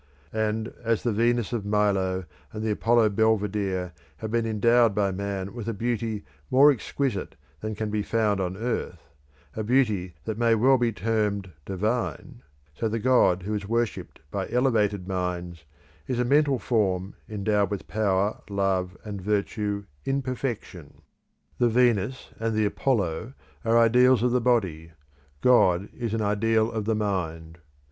And, as the Venus of Milo and the Apollo Belvedere have been endowed by man with a beauty more exquisite than can be found on earth; a beauty that may well be termed divine; so the God who is worshipped by elevated minds is a mental form endowed with power, love, and virtue in perfection. The Venus and the Apollo are ideals of the body; God is an ideal of the mind.